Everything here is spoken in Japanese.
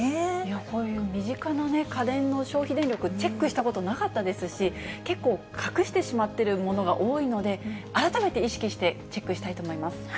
そういう身近な家電の消費電力、チェックしたことなかったですし、結構、隠してしまってるものが多いので、改めて意識してチェックしたいと思います。